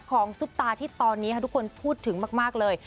ซุปตาที่ตอนนี้ทุกคนพูดถึงมากเลย